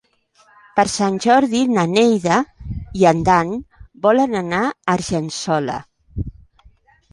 Per Sant Jordi na Neida i en Dan volen anar a Argençola.